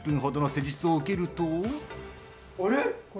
あれ！